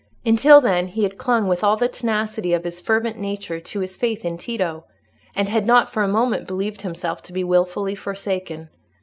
Until then he had clung with all the tenacity of his fervent nature to his faith in Tito, and had not for a moment believed himself to be wilfully forsaken.